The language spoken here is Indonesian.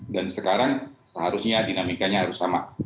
dan sekarang seharusnya dinamikanya harus sama